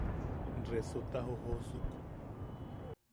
Resota jojoosuk.